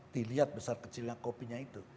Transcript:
dilihat besar kecilnya kopinya itu